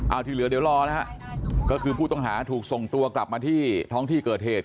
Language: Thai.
เอาที่เหลือเดี๋ยวรอนะฮะก็คือผู้ต้องหาถูกส่งตัวกลับมาที่ท้องที่เกิดเหตุ